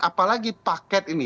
apalagi paket ini